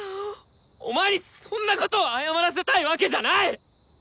お前にそんなことを謝らせたいわけじゃない！